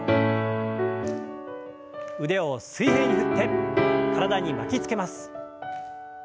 腕を水平に振って体に巻きつけます。